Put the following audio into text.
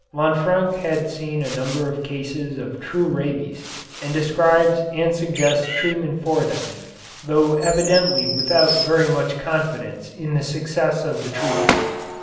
Lanfranc had seen a number of cases of true rabies, and describes and suggests treatment for them, though evidently without very much confidence in the success of the treatment.